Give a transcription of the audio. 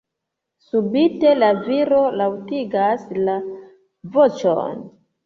Subite, la viro laŭtigas la voĉon.